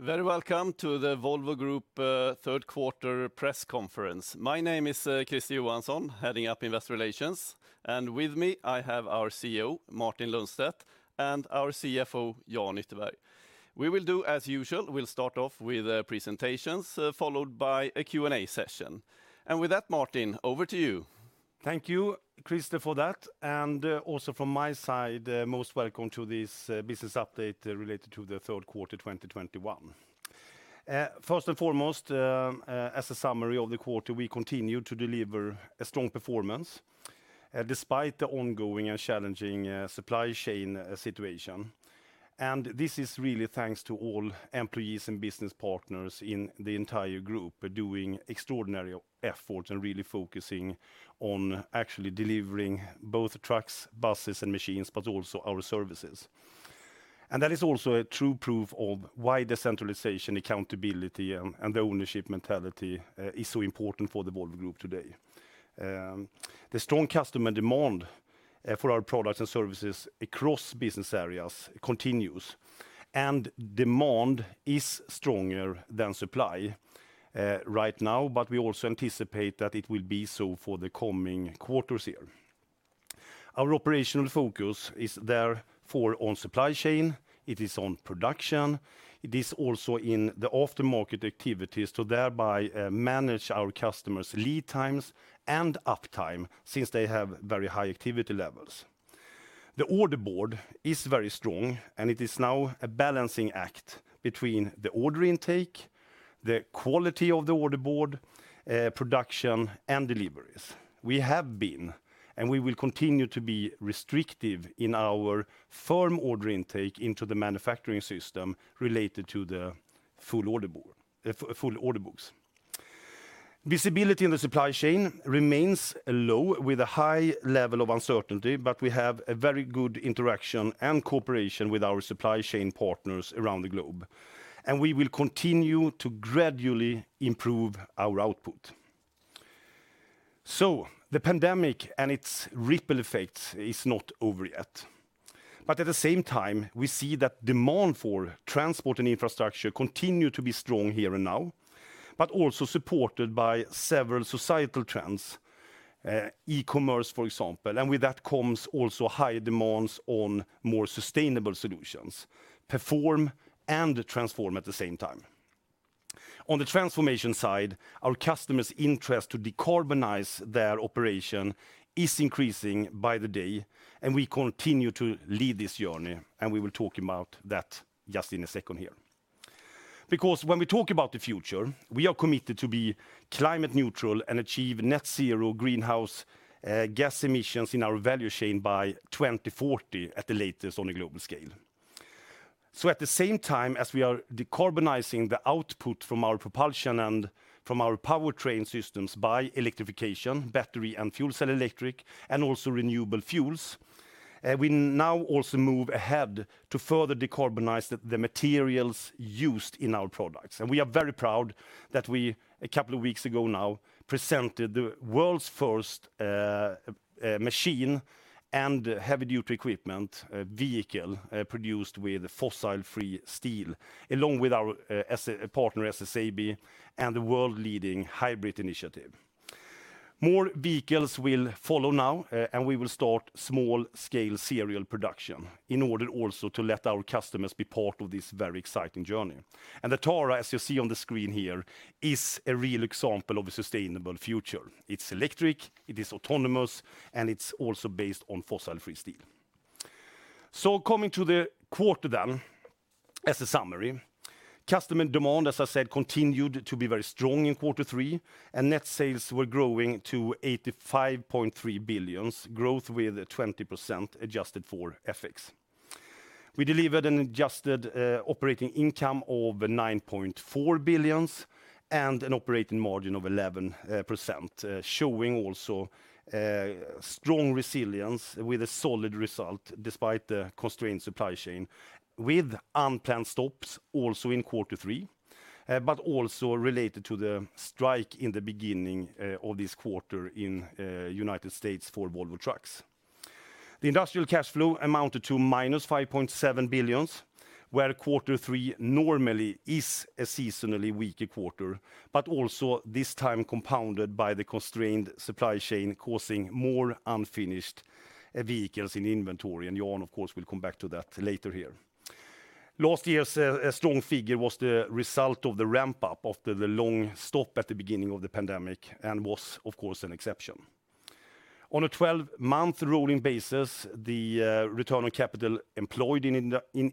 Very welcome to the Volvo Group third quarter press conference. My name is Christer Johansson, heading up investor relations, and with me I have our CEO, Martin Lundstedt, and our CFO, Jan Ytterberg. We will do as usual. We'll start off with presentations followed by a Q&A session. With that, Martin, over to you. Thank you, Christer, for that and also from my side, most welcome to this business update related to the third quarter 2021. First and foremost, as a summary of the quarter, we continued to deliver a strong performance despite the ongoing and challenging supply chain situation. This is really thanks to all employees and business partners in the entire group doing extraordinary efforts and really focusing on actually delivering both trucks, buses, and machines, but also our services. That is also a true proof of why decentralization, accountability, and the ownership mentality is so important for the Volvo Group today. The strong customer demand for our products and services across business areas continues, demand is stronger than supply right now, but we also anticipate that it will be so for the coming quarters here. Our operational focus is therefore on supply chain, it is on production, it is also in the aftermarket activities to thereby manage our customers' lead times and uptime since they have very high activity levels. The order board is very strong, it is now a balancing act between the order intake, the quality of the order board, production, and deliveries. We have been, and we will continue to be restrictive in our firm order intake into the manufacturing system related to the full order books. Visibility in the supply chain remains low with a high level of uncertainty, we have a very good interaction and cooperation with our supply chain partners around the globe, we will continue to gradually improve our output. The pandemic and its ripple effect is not over yet. At the same time, we see that demand for transport and infrastructure continue to be strong here and now, but also supported by several societal trends, e-commerce, for example, with that comes also higher demands on more sustainable solutions. Perform and transform at the same time. On the transformation side, our customers' interest to decarbonize their operation is increasing by the day, we continue to lead this journey, we will talk about that just in a second here. When we talk about the future, we are committed to be climate neutral and achieve net zero greenhouse gas emissions in our value chain by 2040 at the latest on a global scale. At the same time as we are decarbonizing the output from our propulsion and from our powertrain systems by electrification, battery and fuel-cell electric, and also renewable fuels, we now also move ahead to further decarbonize the materials used in our products. We are very proud that we, a couple of weeks ago now, presented the world's first machine and heavy-duty equipment vehicle produced with fossil-free steel, along with our partner, SSAB, and the world-leading HYBRIT initiative. More vehicles will follow now and we will start small-scale serial production in order also to let our customers be part of this very exciting journey. The TARA, as you see on the screen here, is a real example of a sustainable future. It is electric, it is autonomous, and it is also based on fossil-free steel. Coming to the quarter, as a summary, customer demand, as I said, continued to be very strong in quarter 3, and net sales were growing to 85.3 billion, growth with 20% adjusted for FX. We delivered an adjusted operating income of 9.4 billion and an operating margin of 11%, showing also strong resilience with a solid result despite the constrained supply chain with unplanned stops also in quarter 3, but also related to the strike in the beginning of this quarter in U.S. for Volvo Trucks. The industrial cash flow amounted to minus 5.7 billion, where quarter 3 normally is a seasonally weaker quarter, but also this time compounded by the constrained supply chain causing more unfinished vehicles in inventory. Jan, of course, will come back to that later here. Last year's strong figure was the result of the ramp-up after the long stop at the beginning of the pandemic and was, of course, an exception. On a 12-month rolling basis, the return on capital employed in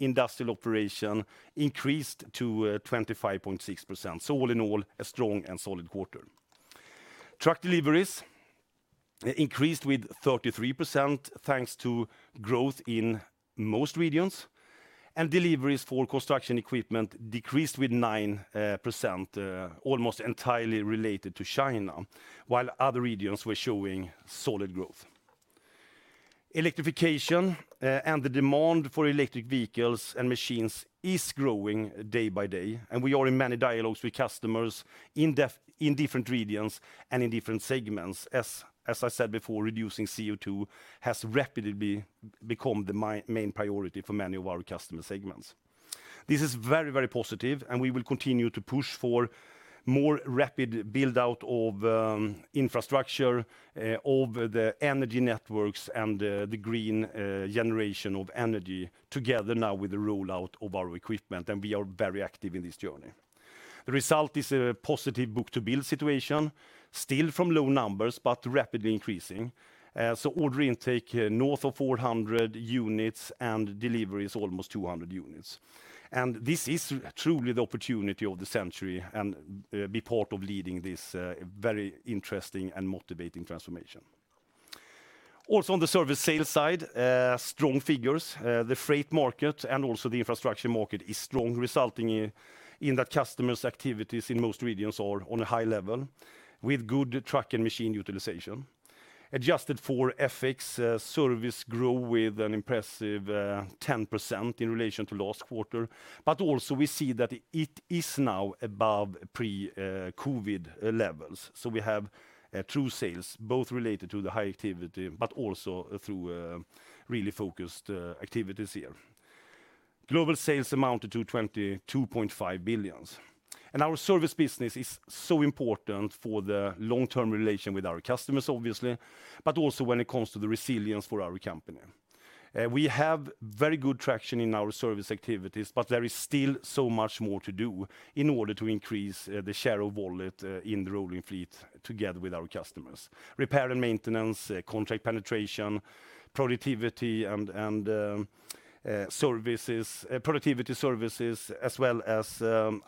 industrial operation increased to 25.6%. All in all, a strong and solid quarter. Truck deliveries increased with 33% thanks to growth in most regions, and deliveries for construction equipment decreased with 9%, almost entirely related to China, while other regions were showing solid growth. Electrification and the demand for electric vehicles and machines is growing day by day, and we are in many dialogues with customers in different regions and in different segments. As I said before, reducing CO2 has rapidly become the main priority for many of our customer segments. This is very positive, and we will continue to push for more rapid build-out of infrastructure, of the energy networks, and the green generation of energy together now with the rollout of our equipment. We are very active in this journey. The result is a positive book-to-bill situation, still from low numbers, but rapidly increasing. Order intake north of 400 units and deliveries almost 200 units. This is truly the opportunity of the century and be part of leading this very interesting and motivating transformation. Also, on the service sales side, strong figures. The freight market and also the infrastructure market is strong, resulting in the customers' activities in most regions are on a high level with good truck and machine utilization. Adjusted for FX, service grew with an impressive 10% in relation to last quarter. Also we see that it is now above pre-COVID levels. We have true sales, both related to the high activity, but also through really focused activities here. Global sales amounted to 22.5 billion. Our service business is so important for the long-term relation with our customers, obviously, but also when it comes to the resilience for our company. We have very good traction in our service activities, but there is still so much more to do in order to increase the share of wallet in the rolling fleet together with our customers. Repair and maintenance, contract penetration, productivity services, as well as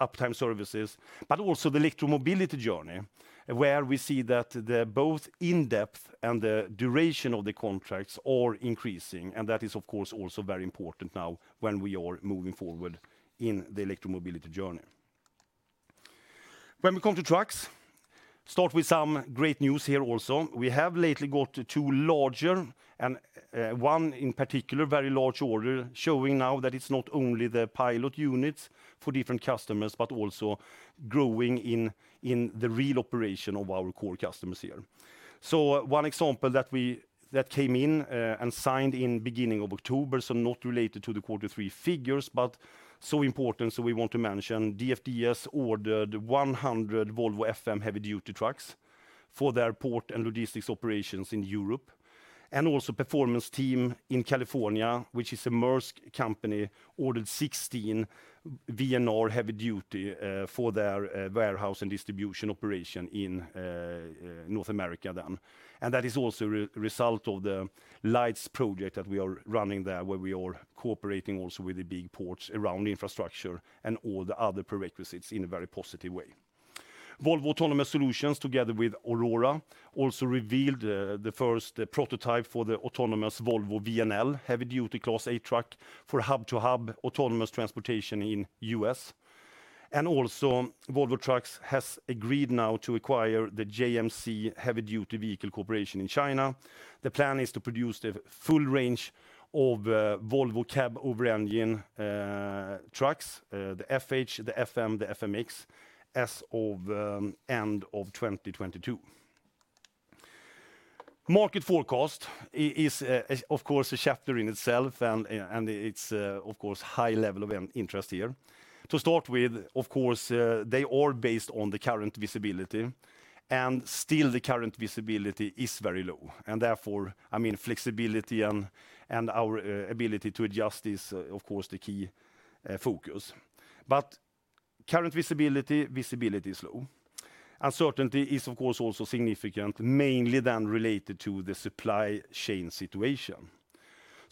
uptime services, but also the electromobility journey, where we see that both in depth and the duration of the contracts are increasing. That is, of course, also very important now when we are moving forward in the electromobility journey. When we come to trucks, start with some great news here also. We have lately got two larger, and one in particular very large order, showing now that it's not only the pilot units for different customers, but also growing in the real operation of our core customers here. One example that came in and signed in beginning of October, so not related to the quarter three figures, but so important, so we want to mention, DFDS ordered 100 Volvo FM heavy duty trucks for their port and logistics operations in Europe. Also Performance Team in California, which is a Maersk company, ordered 16 VNR heavy duty for their warehouse and distribution operation in North America then. That is also a result of the Volvo LIGHTS project that we are running there, where we are cooperating also with the big ports around infrastructure and all the other prerequisites in a very positive way. Volvo Autonomous Solutions, together with Aurora, also revealed the first prototype for the autonomous Volvo VNL heavy duty Class 8 truck for hub-to-hub autonomous transportation in U.S. Also Volvo Trucks has agreed now to acquire the JMC Heavy Duty Vehicle Corporation in China. The plan is to produce the full range of Volvo cab over engine trucks, the FH, the FM, the FMX, as of end of 2022. Market forecast is, of course, a chapter in itself, it's of course high level of interest here. To start with, of course, they are based on the current visibility, still the current visibility is very low. Therefore, flexibility and our ability to adjust is, of course, the key focus. Current visibility is low. Uncertainty is, of course, also significant, mainly then related to the supply chain situation.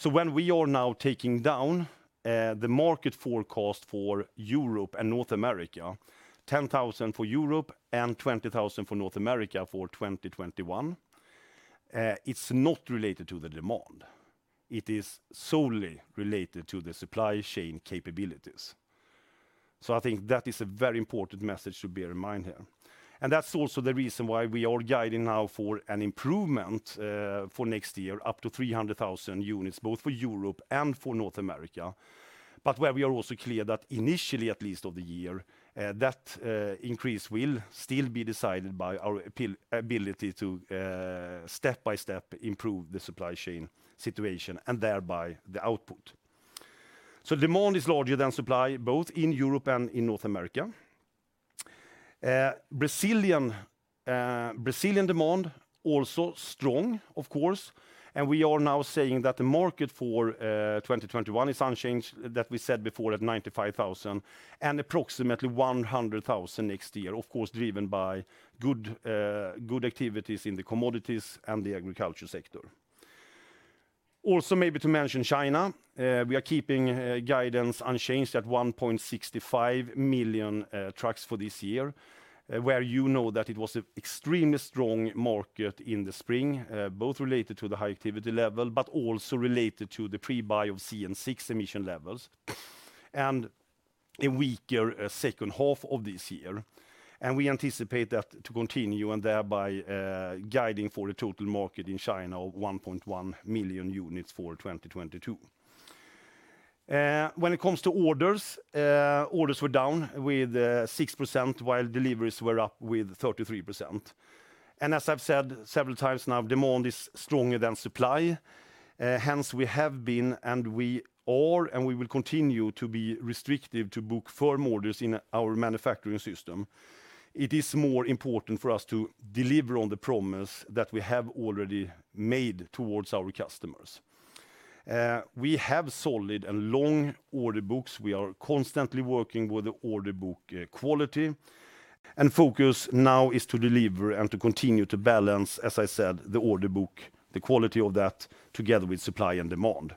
When we are now taking down the market forecast for Europe and North America, 10,000 for Europe and 20,000 for North America for 2021, it's not related to the demand. It is solely related to the supply chain capabilities. I think that is a very important message to bear in mind here. That's also the reason why we are guiding now for an improvement for next year, up to 300,000 units, both for Europe and for North America. Where we are also clear that initially, at least of the year, that increase will still be decided by our ability to step by step improve the supply chain situation and thereby the output. Demand is larger than supply, both in Europe and in North America. Brazilian demand, also strong, of course. We are now saying that the market for 2021 is unchanged, that we said before at 95,000 and approximately 100,000 next year, of course, driven by good activities in the commodities and the agriculture sector. Maybe to mention China. We are keeping guidance unchanged at 1.65 million trucks for this year, where you know that it was an extremely strong market in the spring, both related to the high activity level, but also related to the pre-buy of CN6 emission levels, and a weaker second half of this year. We anticipate that to continue, thereby guiding for a total market in China of 1.1 million units for 2022. When it comes to orders were down with 6%, while deliveries were up with 33%. As I've said several times now, demand is stronger than supply. Hence we have been, and we are, and we will continue to be restrictive to book firm orders in our manufacturing system. It is more important for us to deliver on the promise that we have already made towards our customers. We have solid and long order books. We are constantly working with the order book quality. Focus now is to deliver and to continue to balance, as I said, the order book, the quality of that, together with supply and demand.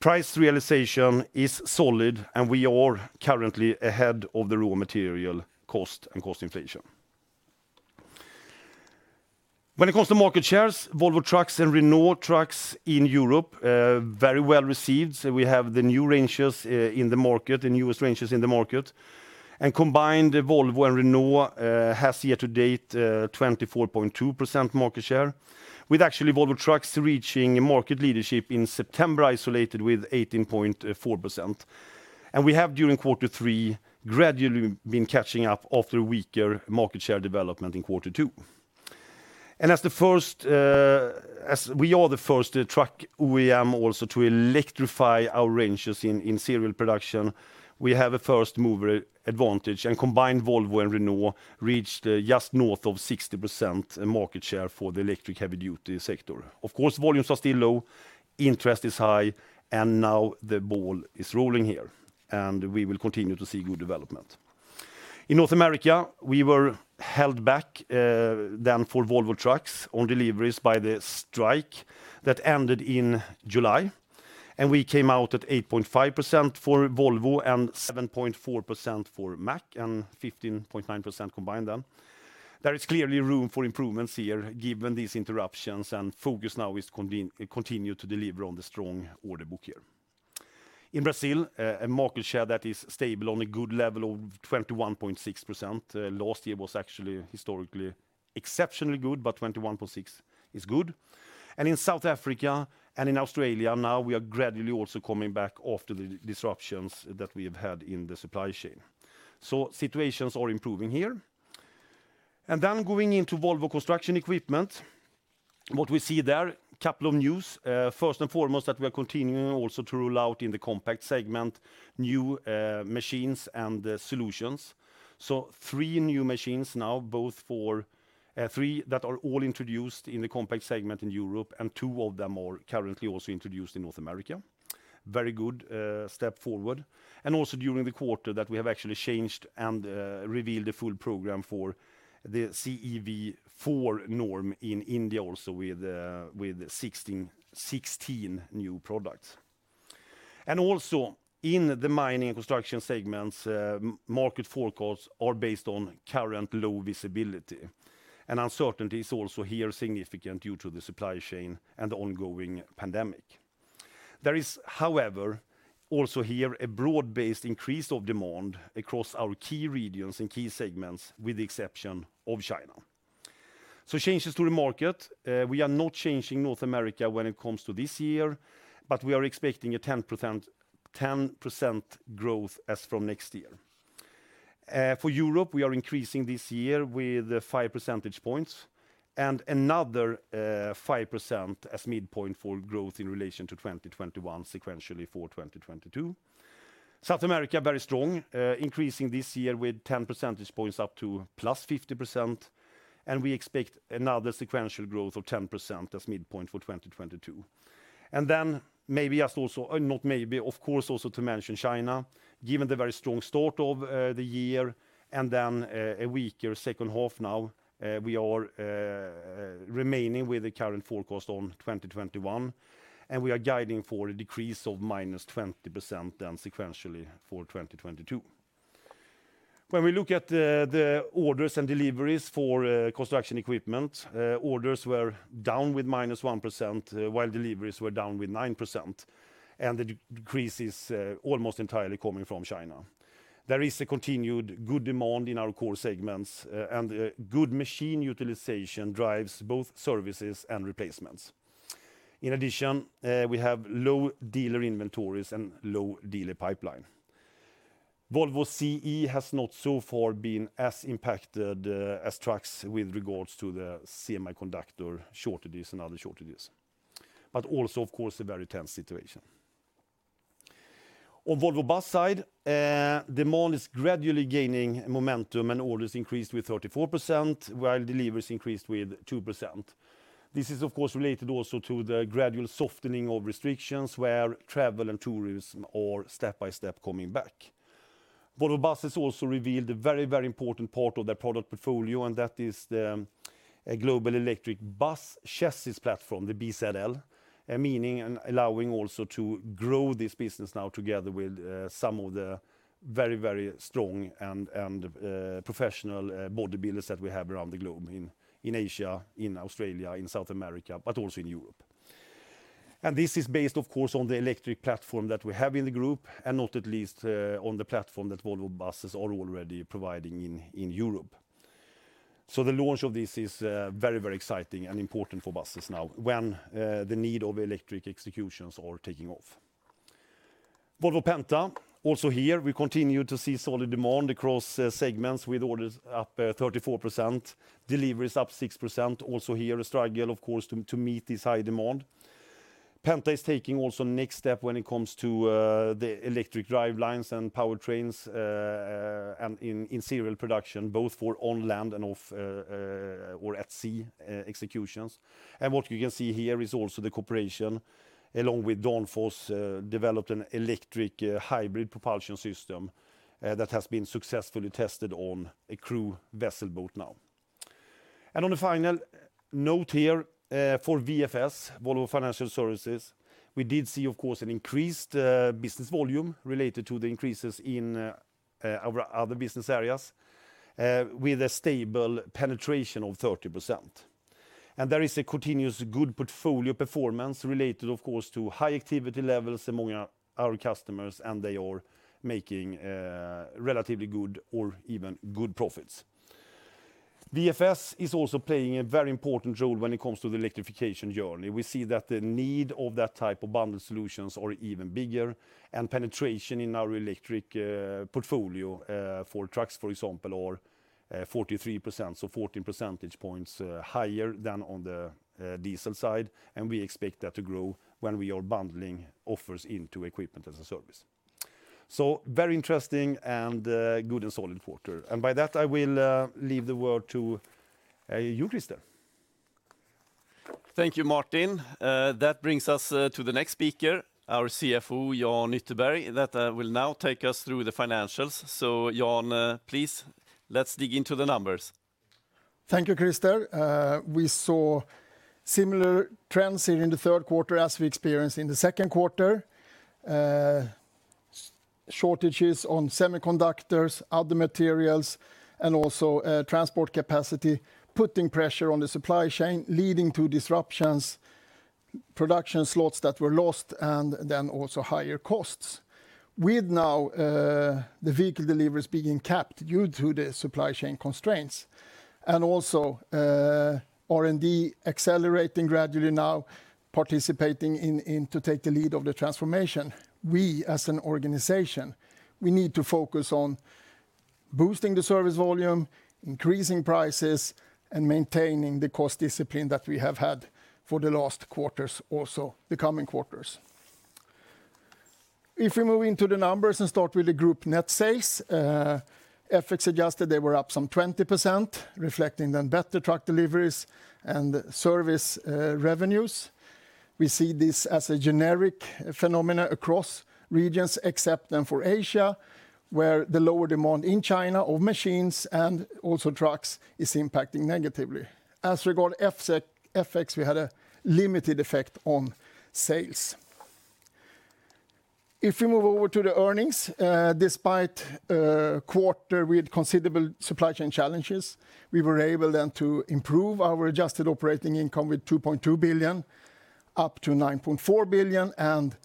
Price realization is solid. We are currently ahead of the raw material cost and cost inflation. When it comes to market shares, Volvo Trucks and Renault Trucks in Europe are very well received. We have the newest ranges in the market. Combined, Volvo and Renault have, year to date, 24.2% market share, with Volvo Trucks reaching market leadership in September, isolated with 18.4%. We have, during Q3, gradually been catching up after a weaker market share development in Q2. As we are the first truck OEM also to electrify our ranges in serial production, we have a first-mover advantage. Combined, Volvo and Renault reached just north of 60% in market share for the electric heavy-duty sector. Of course, volumes are still low, interest is high. Now the ball is rolling here, and we will continue to see good development. In North America, we were held back then for Volvo Trucks on deliveries by the strike that ended in July. We came out at 8.5% for Volvo and 7.4% for Mack, and 15.9% combined then. There is clearly room for improvements here given these interruptions. Focus now is to continue to deliver on the strong order book here. In Brazil, a market share that is stable on a good level of 21.6%. Last year was actually historically exceptionally good, but 21.6 is good. In South Africa and in Australia now, we are gradually also coming back after the disruptions that we have had in the supply chain. Situations are improving here. Going into Volvo Construction Equipment, what we see there, couple of news. First and foremost, that we are continuing also to roll out in the compact segment new machines and solutions. Three new machines now, three that are all introduced in the compact segment in Europe. Two of them are currently also introduced in North America. Very good step forward. Also during the quarter that we have actually changed and revealed the full program for the CEV4 norm in India also with 16 new products. Also, in the mining and construction segments, market forecasts are based on current low visibility, and uncertainty is also here significant due to the supply chain and ongoing pandemic. There is, however, also here a broad-based increase of demand across our key regions and key segments, with the exception of China. Changes to the market. We are not changing North America when it comes to this year, but we are expecting a 10% growth as from next year. For Europe, we are increasing this year with five percentage points and another 5% as midpoint for growth in relation to 2021 sequentially for 2022. South America, very strong, increasing this year with 10 percentage points up to +50%, and we expect another sequential growth of 10% as midpoint for 2022. Of course, also to mention China, given the very strong start of the year and then a weaker second half now, we are remaining with the current forecast on 2021, and we are guiding for a decrease of -20%, then sequentially for 2022. When we look at the orders and deliveries for construction equipment, orders were down with -1%, while deliveries were down with 9%, and the decrease is almost entirely coming from China. There is a continued good demand in our core segments, and good machine utilization drives both services and replacements. In addition, we have low dealer inventories and low dealer pipeline. Volvo CE has not so far been as impacted as trucks with regards to the semiconductor shortages and other shortages, but also, of course, a very tense situation. On Volvo Buses side, demand is gradually gaining momentum. Orders increased with 34%, while deliveries increased with 2%. This is, of course, related also to the gradual softening of restrictions, where travel and tourism are step by step coming back. Volvo Buses also revealed a very important part of their product portfolio, and that is the global electric bus chassis platform, the BZL, allowing also to grow this business now together with some of the very strong and professional body builders that we have around the globe in Asia, in Australia, in South America, but also in Europe. This is based, of course, on the electric platform that we have in the group and not at least on the platform that Volvo Buses are already providing in Europe. The launch of this is very exciting and important for buses now when the need of electric executions are taking off. Volvo Penta, also here, we continue to see solid demand across segments with orders up 34%, deliveries up 6%. Also here, a struggle, of course, to meet this high demand. Penta is taking also next step when it comes to the electric drivelines and powertrains, and in serial production, both for on land and off or at sea executions. What you can see here is also the cooperation, along with Danfoss, developed an electric hybrid propulsion system that has been successfully tested on a crew vessel boat now. On a final note here, for VFS, Volvo Financial Services, we did see, of course, an increased business volume related to the increases in our other business areas with a stable penetration of 30%. There is a continuous good portfolio performance related, of course, to high activity levels among our customers, and they are making relatively good or even good profits. VFS is also playing a very important role when it comes to the electrification journey. We see that the need of that type of bundled solutions are even bigger, and penetration in our electric portfolio, for trucks, for example, are 43%, so 14 percentage points higher than on the diesel side. We expect that to grow when we are bundling offers into equipment as a service. Very interesting and good and solid quarter. By that, I will leave the word to you, Christer. Thank you, Martin. That brings us to the next speaker, our CFO, Jan Ytterberg, that will now take us through the financials. Jan, please, let's dig into the numbers. Thank you, Christer. We saw similar trends here in the third quarter as we experienced in the second quarter. Shortages on semiconductors, other materials, and also transport capacity, putting pressure on the supply chain, leading to disruptions, production slots that were lost, and also higher costs. With now the vehicle deliveries being capped due to the supply chain constraints and also R&D accelerating gradually now, participating in to take the lead of the transformation, we, as an organization, we need to focus on boosting the service volume, increasing prices, and maintaining the cost discipline that we have had for the last quarters, also the coming quarters. If we move into the numbers and start with the group net sales, FX adjusted, they were up some 20%, reflecting then better truck deliveries and service revenues. We see this as a generic phenomena across regions except then for Asia, where the lower demand in China of machines and also trucks is impacting negatively. As regard FX, we had a limited effect on sales. If we move over to the earnings, despite a quarter with considerable supply chain challenges, we were able then to improve our adjusted operating income with 2.2 billion, up to 9.4 billion, and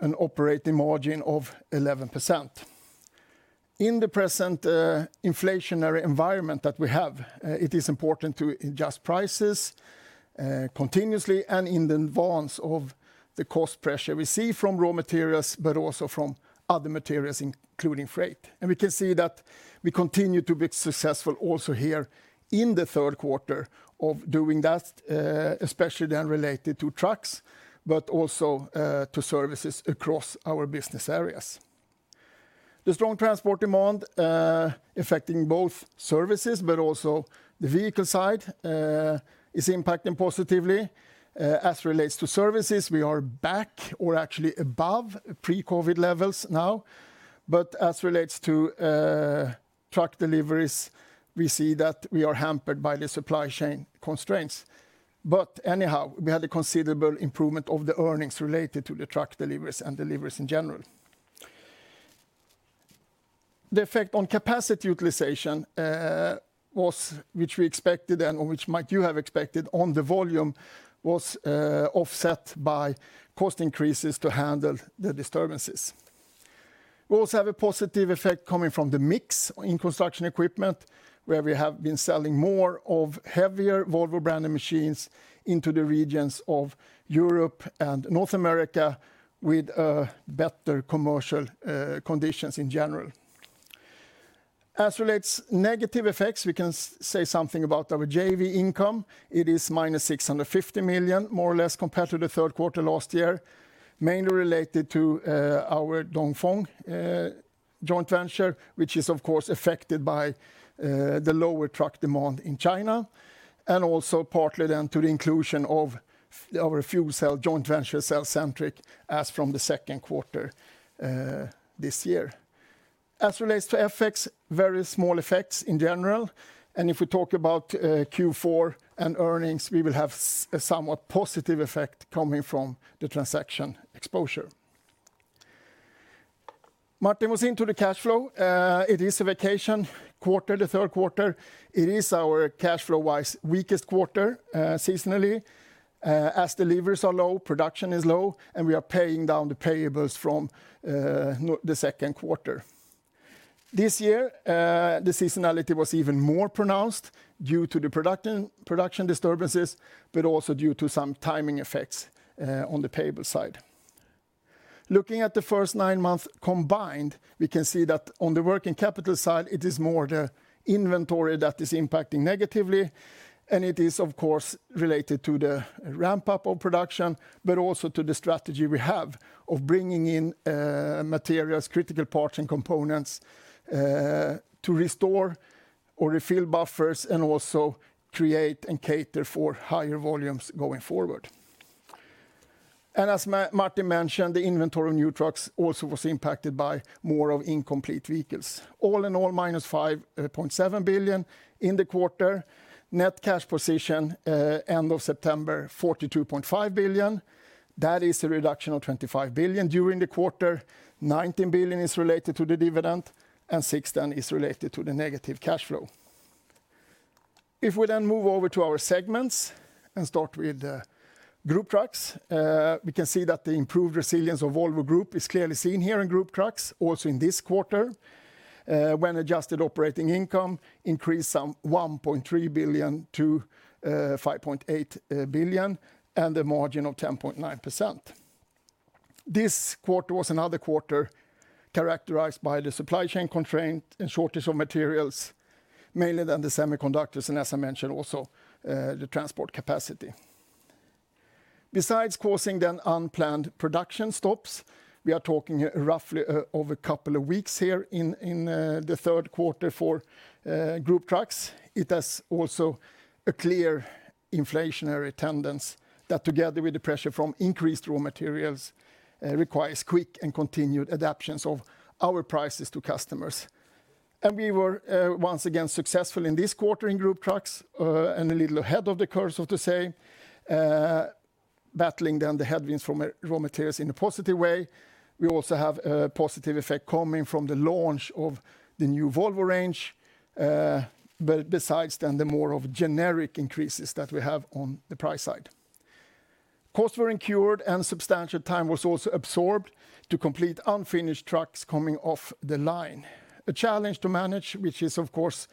an operating margin of 11%. In the present inflationary environment that we have, it is important to adjust prices continuously and in advance of the cost pressure we see from raw materials, but also from other materials, including freight. We can see that we continue to be successful also here in the third quarter of doing that, especially then related to trucks, but also to services across our business areas. The strong transport demand affecting both services also the vehicle side is impacting positively. As relates to services, we are back or actually above pre-COVID levels now. As relates to truck deliveries, we see that we are hampered by the supply chain constraints. Anyhow, we had a considerable improvement of the earnings related to the truck deliveries and deliveries in general. The effect on capacity utilization, which we expected and which might you have expected on the volume, was offset by cost increases to handle the disturbances. We also have a positive effect coming from the mix in construction equipment, where we have been selling more of heavier Volvo-branded machines into the regions of Europe and North America with better commercial conditions in general. As relates negative effects, we can say something about our JV income. It is minus 650 million, more or less, compared to the third quarter last year, mainly related to our Dongfeng joint venture, which is of course affected by the lower truck demand in China and also partly then to the inclusion of our fuel cell joint venture cellcentric as from the second quarter this year. As relates to FX, very small effects in general. If we talk about Q4 and earnings, we will have a somewhat positive effect coming from the transaction exposure. Martin was into the cash flow. It is a vacation quarter, the third quarter. It is our cash flow-wise weakest quarter seasonally. As deliveries are low, production is low, and we are paying down the payables from the second quarter. This year, the seasonality was even more pronounced due to the production disturbances, also due to some timing effects on the payable side. Looking at the first nine months combined, we can see that on the working capital side, it is more the inventory that is impacting negatively, and it is, of course, related to the ramp-up of production, also to the strategy we have of bringing in materials, critical parts and components to restore or refill buffers and also create and cater for higher volumes going forward. As Martin mentioned, the inventory of new trucks also was impacted by more of incomplete vehicles. All in all, minus 5.7 billion in the quarter. Net cash position end of September, 42.5 billion. That is a reduction of 25 billion during the quarter. 19 billion is related to the dividend and SEK six then is related to the negative cash flow. We then move over to our segments and start with Group Trucks, we can see that the improved resilience of Volvo Group is clearly seen here in Group Trucks, also in this quarter, when adjusted operating income increased from 1.3 billion to 5.8 billion and a margin of 10.9%. This quarter was another quarter characterized by the supply chain constraint and shortage of materials, mainly then the semiconductors, and as I mentioned, also the transport capacity. Besides causing the unplanned production stops, we are talking roughly over a couple of weeks here in the third quarter for Group Trucks, it has also a clear inflationary tendency that, together with the pressure from increased raw materials, requires quick and continued adaptations of our prices to customers. We were once again successful in this quarter in Group Trucks, and a little ahead of the curve, so to say, battling down the headwinds from raw materials in a positive way. We also have a positive effect coming from the launch of the new Volvo range. Besides, then the more of generic increases that we have on the price side. Costs were incurred and substantial time was also absorbed to complete unfinished trucks coming off the line. A challenge to manage, which is of course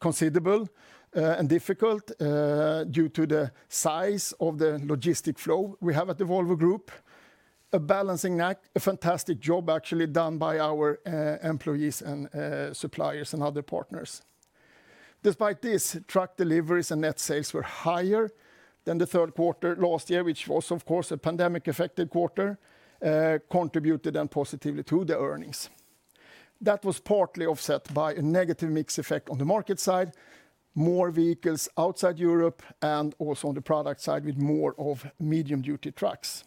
considerable and difficult due to the size of the logistic flow we have at Volvo Group. A balancing act, a fantastic job actually done by our employees and suppliers and other partners. Despite this, truck deliveries and net sales were higher than the third quarter last year, which was of course a pandemic-affected quarter, contributed then positively to the earnings. That was partly offset by a negative mix effect on the market side, more vehicles outside Europe and also on the product side with more of medium-duty trucks.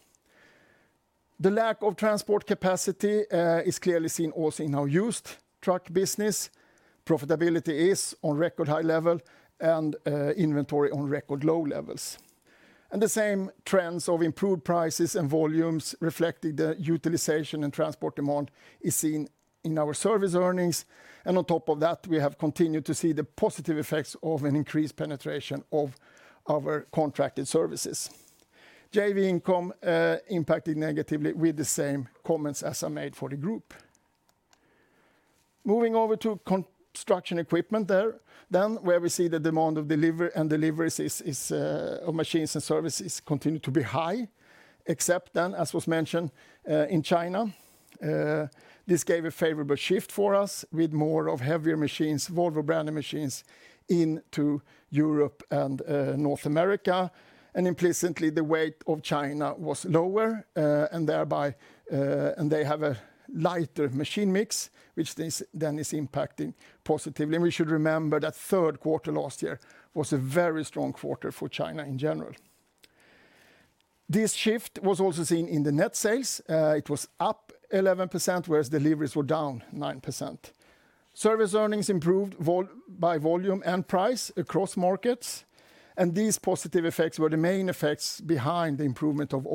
The lack of transport capacity is clearly seen also in our used truck business. Profitability is on record high level and inventory on record low levels. The same trends of improved prices and volumes reflecting the utilization and transport demand is seen in our service earnings. On top of that, we have continued to see the positive effects of an increased penetration of our contracted services. JV income impacted negatively with the same comments as I made for the Group. Moving over to Construction Equipment there, then where we see the demand of delivery and deliveries of machines and services continue to be high, except then, as was mentioned, in China. This gave a favorable shift for us with more of heavier machines, Volvo branded machines into Europe and North America. Implicitly, the weight of China was lower, and they have a lighter machine mix, which then is impacting positively. We should remember that third quarter last year was a very strong quarter for China in general. This shift was also seen in the net sales. It was up 11%, whereas deliveries were down 9%. Service earnings improved by volume and price across markets. These positive effects were the main effects behind the improvement of SEK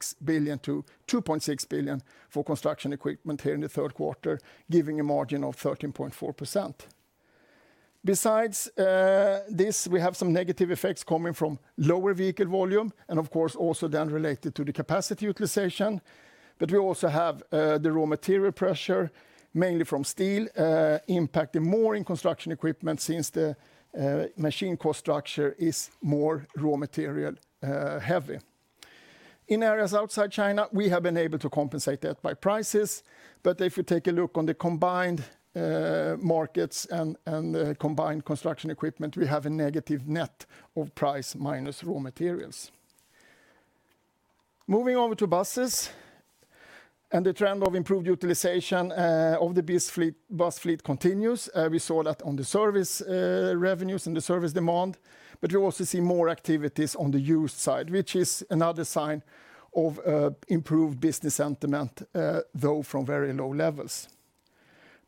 0.6 billion to SEK 2.6 billion for Construction Equipment here in the third quarter, giving a margin of 13.4%. Besides this, we have some negative effects coming from lower vehicle volume and of course also then related to the capacity utilization. We also have the raw material pressure, mainly from steel, impacting more in Construction Equipment since the machine cost structure is more raw material heavy. In areas outside China, we have been able to compensate that by prices. If you take a look on the combined markets and the combined Construction Equipment, we have a negative net of price minus raw materials. Moving over to buses. The trend of improved utilization of the bus fleet continues. We saw that on the service revenues and the service demand. You also see more activities on the used side, which is another sign of improved business sentiment, though from very low levels.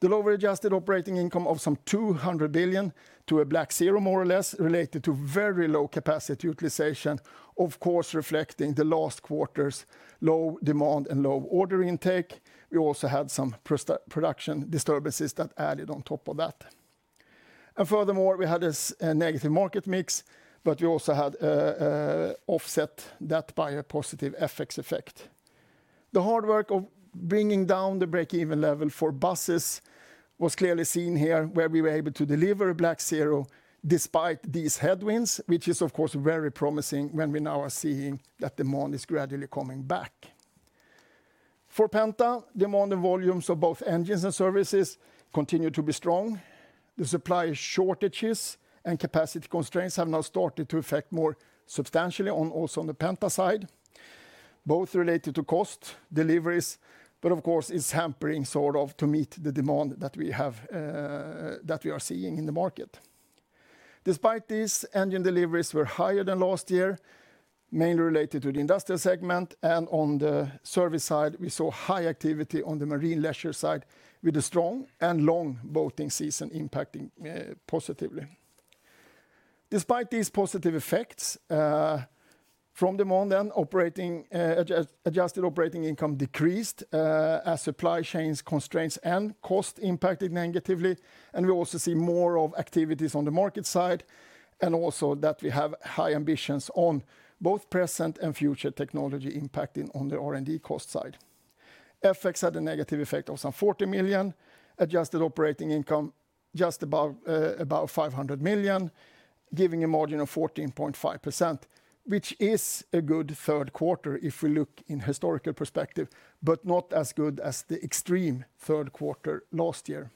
The lower adjusted operating income of some 200 billion to a black zero, more or less, related to very low capacity utilization, of course, reflecting the last quarter's low demand and low order intake. We also had some production disturbances that added on top of that. Furthermore, we had a negative market mix, we also had offset that by a positive FX effect. The hard work of bringing down the break-even level for buses was clearly seen here, where we were able to deliver a black zero despite these headwinds, which is of course very promising when we now are seeing that demand is gradually coming back. For Penta, demand and volumes of both engines and services continue to be strong. The supply shortages and capacity constraints have now started to affect more substantially also on the Penta side, both related to cost deliveries, of course, it's hampering to meet the demand that we are seeing in the market. Despite this, engine deliveries were higher than last year, mainly related to the industrial segment. On the service side, we saw high activity on the marine leisure side with the strong and long boating season impacting positively. Despite these positive effects, from demand then, adjusted operating income decreased as supply chains constraints and cost impacted negatively. We also see more of activities on the market side, and also that we have high ambitions on both present and future technology impacting on the R&D cost side. FX had a negative effect of some 40 million. Adjusted operating income just above 500 million, giving a margin of 14.5%, which is a good third quarter if we look in historical perspective, but not as good as the extreme third quarter last year.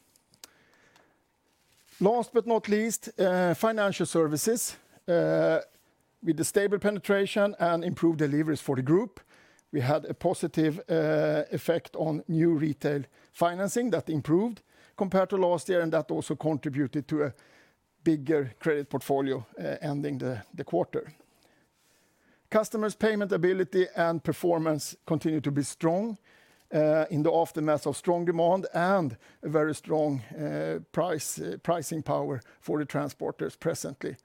Last but not least, Financial Services with the stable penetration and improved deliveries for the group. We had a positive effect on new retail financing that improved compared to last year, and that also contributed to a bigger credit portfolio ending the quarter. Customers' payment ability and performance continue to be strong in the aftermath of strong demand and a very strong pricing power for the transporters presently.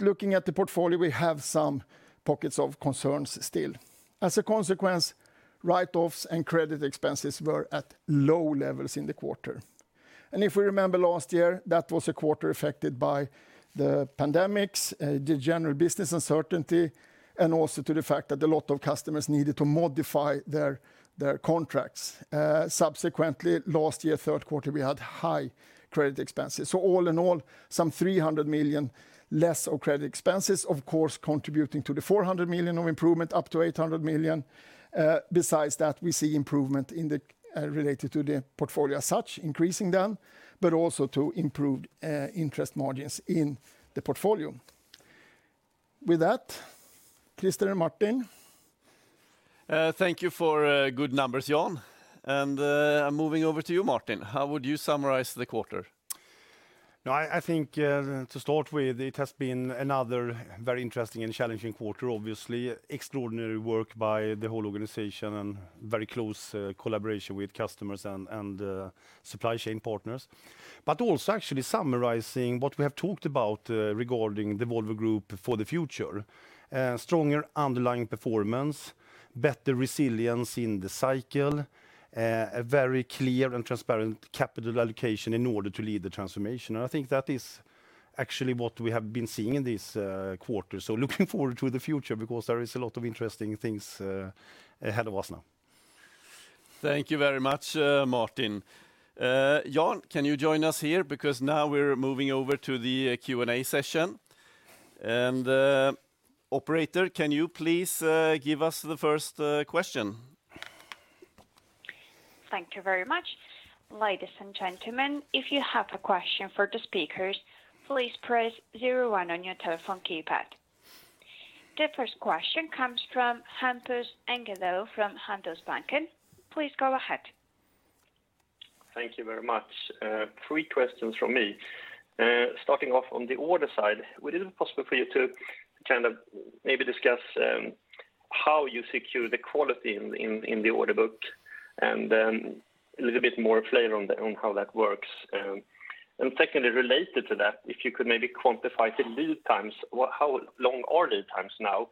Looking at the portfolio, we have some pockets of concerns still. As a consequence, write-offs and credit expenses were at low levels in the quarter. If we remember last year, that was a quarter affected by the pandemic, the general business uncertainty, and also to the fact that a lot of customers needed to modify their contracts. Subsequently, last year, third quarter, we had high credit expenses. All in all, some 300 million less of credit expenses, of course, contributing to the 400 million of improvement up to 800 million. Besides that, we see improvement related to the portfolio as such, increasing then, but also to improved interest margins in the portfolio. With that, Christer and Martin. Thank you for good numbers, Jan. I'm moving over to you, Martin. How would you summarize the quarter? I think to start with, it has been another very interesting and challenging quarter, obviously. Extraordinary work by the whole organization and very close collaboration with customers and supply chain partners. Also actually summarizing what we have talked about regarding the Volvo Group for the future. Stronger underlying performance, better resilience in the cycle, a very clear and transparent capital allocation in order to lead the transformation. I think that is actually what we have been seeing in this quarter. Looking forward to the future because there is a lot of interesting things ahead of us now. Thank you very much, Martin. Jan, can you join us here because now we're moving over to the Q&A session. Operator, can you please give us the first question? Thank you very much. Ladies and gentlemen, if you have a question for the speakers, please press zero one on your telephone keypad. The first question comes from Hampus Engellau from Handelsbanken. Please go ahead. Thank you very much. Three questions from me. Starting off on the order side, would it be possible for you to maybe discuss how you secure the quality in the order book and then a little bit more flavor on how that works? Secondly, related to that, if you could maybe quantify the lead times, how long are the lead times now,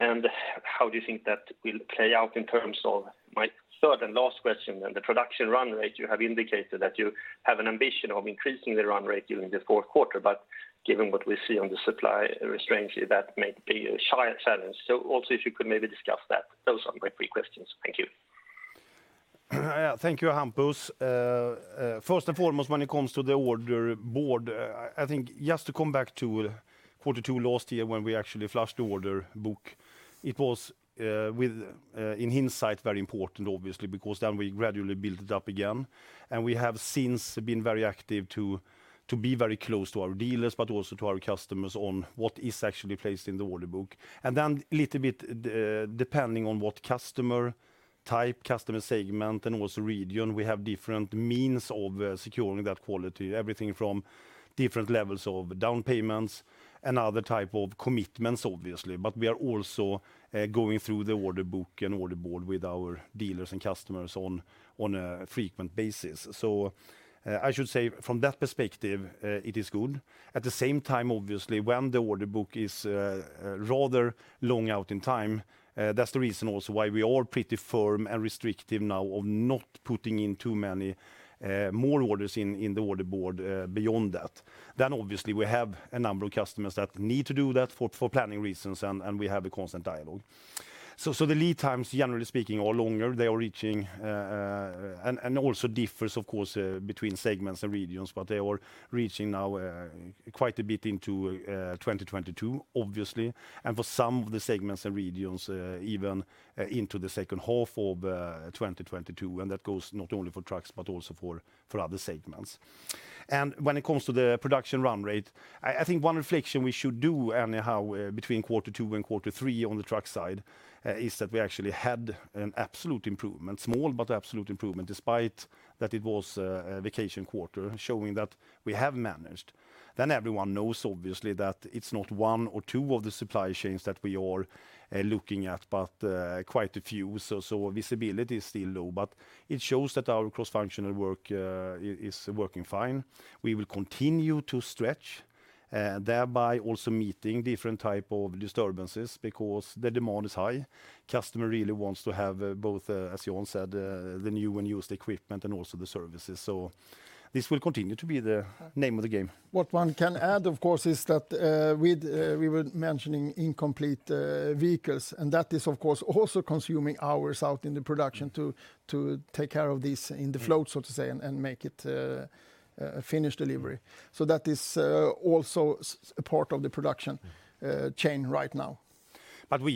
and how do you think that will play out in terms of my third and last question, and the production run rate, you have indicated that you have an ambition of increasing the run rate during the fourth quarter, but given what we see on the supply restraints, that might be a challenge. Also, if you could maybe discuss that. Those are my three questions. Thank you. Thank you, Hampus. First and foremost, when it comes to the order board, I think just to come back to quarter 2 last year when we actually flushed the order book, it was in hindsight very important, obviously, because then we gradually built it up again. We have since been very active to be very close to our dealers, but also to our customers on what is actually placed in the order book. Then little bit depending on what customer type, customer segment, and also region, we have different means of securing that quality. Everything from different levels of down payments and other type of commitments, obviously. We are also going through the order book and order board with our dealers and customers on a frequent basis. I should say from that perspective, it is good. At the same time, obviously, when the order book is rather long out in time, that's the reason also why we are pretty firm and restrictive now of not putting in too many more orders in the order board beyond that. Obviously we have a number of customers that need to do that for planning reasons, and we have a constant dialogue. The lead times, generally speaking, are longer. Also differs, of course, between segments and regions, but they are reaching now quite a bit into 2022, obviously. For some of the segments and regions, even into the second half of 2022, and that goes not only for trucks but also for other segments. When it comes to the production run rate, I think one reflection we should do anyhow, between quarter 2 and quarter 3 on the truck side, is that we actually had an absolute improvement, small but absolute improvement, despite that it was a vacation quarter, showing that we have managed. Everyone knows, obviously, that it's not 1 or 2 of the supply chains that we are looking at, but quite a few. Visibility is still low, but it shows that our cross-functional work is working fine. We will continue to stretch, thereby also meeting different type of disturbances because the demand is high. Customer really wants to have both, as Jan said, the new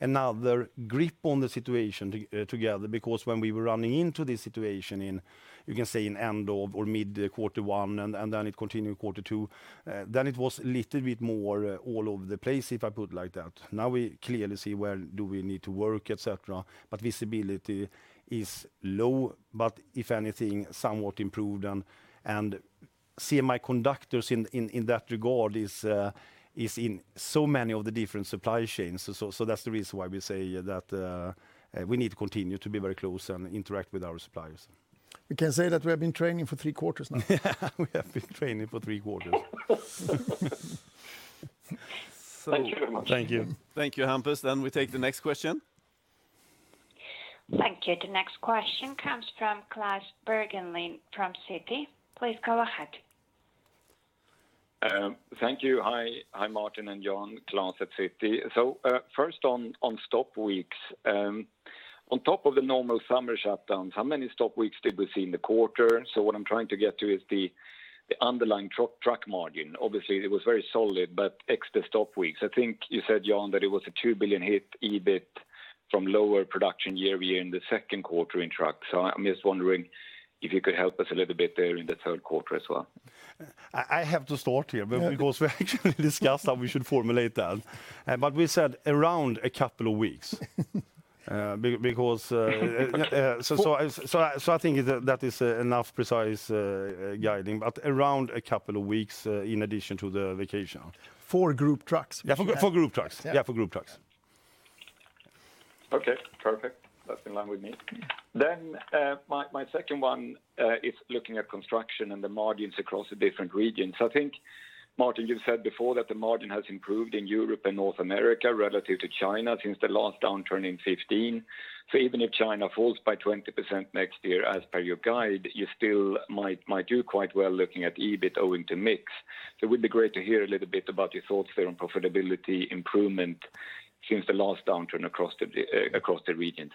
another grip on the situation together, because when we were running into this situation in, you can say in end of or mid quarter one, and then it continued quarter two, then it was a little bit more all over the place, if I put it like that. Now we clearly see where do we need to work, et cetera, but visibility is low, but, if anything, somewhat improved. Semiconductors in that regard is in so many of the different supply chains. That's the reason why we say that we need to continue to be very close and interact with our suppliers. We can say that we have been training for three quarters now. We have been training for three quarters. Thank you very much. Thank you. Thank you, Hampus. We take the next question. Thank you. The next question comes from Claes Berglin from Citi. Please go ahead. Thank you. Hi, Martin and Jan. Claes at Citi. First on stop weeks. On top of the normal summer shutdowns, how many stop weeks did we see in the quarter? What I'm trying to get to is the underlying truck margin. Obviously, it was very solid, but extra stop weeks. I think you said, Jan, that it was a 2 billion hit EBIT from lower production year-over-year in the second quarter in trucks. I'm just wondering if you could help us a little bit there in the third quarter as well. I have to start here because we actually discussed how we should formulate that. We said around a couple of weeks. I think that is enough precise guiding, but around a couple of weeks in addition to the vacation. For Group Trucks. Yeah, for Group Trucks. Okay, perfect. That's in line with me. My second one is looking at construction and the margins across the different regions. I think, Martin, you said before that the margin has improved in Europe and North America relative to China since the last downturn in 2015. Even if China falls by 20% next year, as per your guide, you still might do quite well looking at EBIT owing to mix. It would be great to hear a little bit about your thoughts there on profitability improvement since the last downturn across the regions.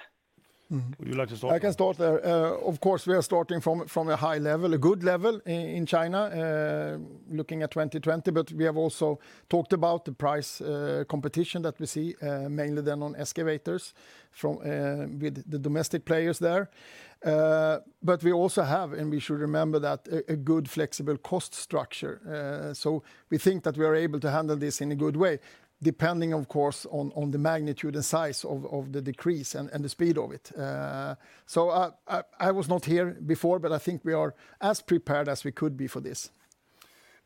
Would you like to start? I can start there. Of course, we are starting from a high level, a good level in China, looking at 2020. We have also talked about the price competition that we see, mainly then on excavators with the domestic players there. We also have, and we should remember that, a good, flexible cost structure. We think that we are able to handle this in a good way, depending, of course, on the magnitude and size of the decrease and the speed of it. I was not here before, but I think we are as prepared as we could be for this.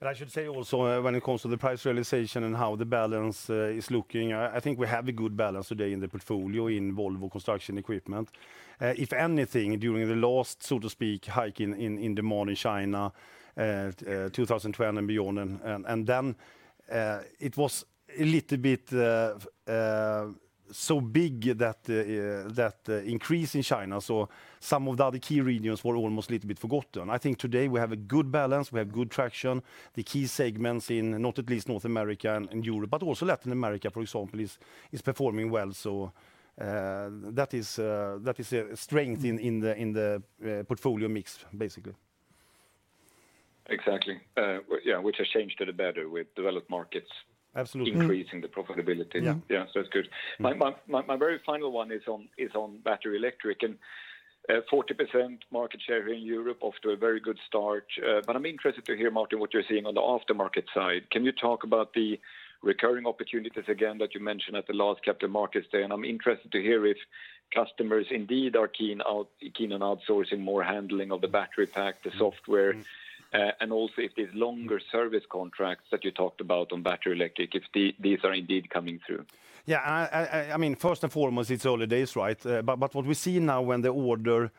I should say also, when it comes to the price realization and how the balance is looking, I think we have a good balance today in the portfolio in Volvo Construction Equipment. If anything, during the last, so to speak, hike in demand in China, 2010 and beyond, it was a little bit so big, that increase in China, some of the other key regions were almost a little bit forgotten. I think today we have a good balance, we have good traction. The key segments in, not at least North America and Europe, but also Latin America, for example, is performing well. That is a strength in the portfolio mix, basically. Exactly. Yeah, which has changed to the better with developed markets- Absolutely increasing the profitability. Yeah. Yeah, it's good. My very final one is on battery electric and 40% market share here in Europe, off to a very good start. I'm interested to hear, Martin, what you're seeing on the aftermarket side. Can you talk about the recurring opportunities again that you mentioned at the last Capital Markets Day? I'm interested to hear if customers indeed are keen on outsourcing more handling of the battery pack, the software, and also if these longer service contracts that you talked about on battery electric, if these are indeed coming through. Yeah. First and foremost, it's early days, right? What we see now when the